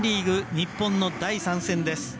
日本の第３戦です。